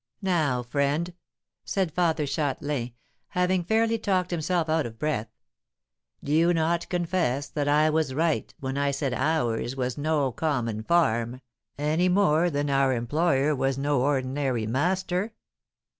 Now, friend," said Father Châtelain, having fairly talked himself out of breath, "do you not confess that I was right when I said ours was no common farm, any more than our employer was no ordinary master?"